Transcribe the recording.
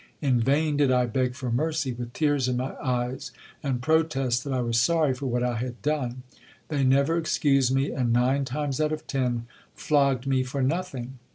In vain did I beg for mercy with tears in my eyes, and protest that I was sorry for what I had done. They never excused me, and nine times out of ten flogged me for nothing.